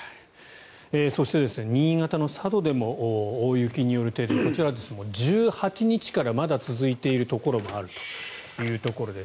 そして、新潟の佐渡でも大雪による停電こちらは１８日からまだ続いているところもあるというところです。